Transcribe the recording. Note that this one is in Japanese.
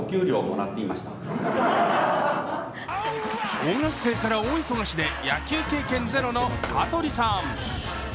小学生から大忙しで野球経験ゼロの香取さん。